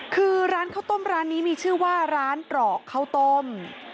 คือร้านข้าวต้มร้านนี้มีชื่อว่าร้านตรอกข้าวต้ม